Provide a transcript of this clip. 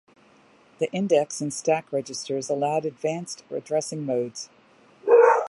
The index and stack registers allowed advanced addressing modes.